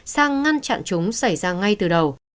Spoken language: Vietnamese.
sang ngăn chặn chúng xảy ra ngay từ đầu